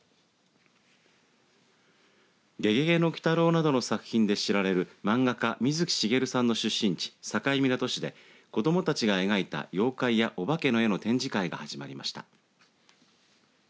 ゲゲゲの鬼太郎などの作品で知られる漫画家水木しげるさんの出身地境港市で子どもたちが描いた妖怪やお化けの絵の展示会が始まりました。